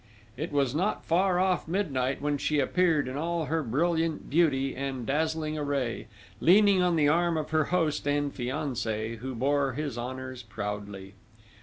It was not far off midnight when she appeared in all her brilliant beauty and dazzling array, leaning on the arm of her host and fiancé, who bore his honours proudly.